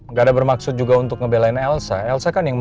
gak ada bermaksud juga untuk ngebelain elsa elsa kan yang mem